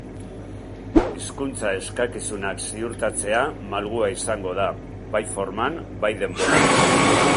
Hizkuntza-eskakizunak ziurtatzea malgua izango da, bai forman, bai denboran.